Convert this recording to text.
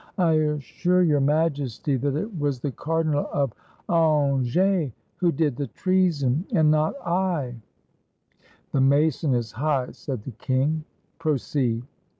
I assure Your Majesty that it was the Cardinal of Angers who did the treason, and not L" " The mason is high," said the king. " Proceed."